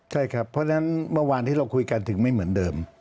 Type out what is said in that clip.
ใช่ครับเพราะฉะนั้นเมื่อวานที่เราคุยกันถึงไม่เหมือนเดิม